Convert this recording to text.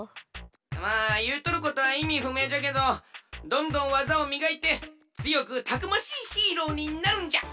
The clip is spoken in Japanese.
まあいうとることはいみふめいじゃけどどんどんわざをみがいてつよくたくましいヒーローになるんじゃ！